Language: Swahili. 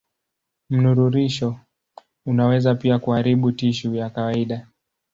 Mnururisho unaweza pia kuharibu tishu ya kawaida.